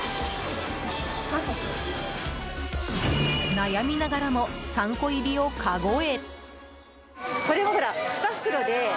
悩みながらも３個入りをかごへ。